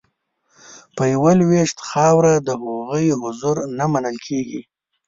په یوه لوېشت خاوره د هغوی حضور نه منل کیږي